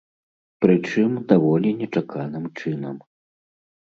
Прычым, даволі нечаканым чынам.